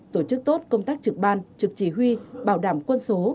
tổ chức tốt công tác trực ban trực chỉ huy bảo đảm quân số